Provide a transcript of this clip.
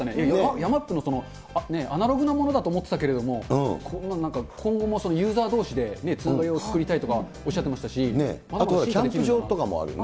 ヤマップも、アナログなものだと思ってたけど、なんか今後もユーザーどうしで仲介を作りたいっておっしゃってまあとはキャンプ場とかもあるよね。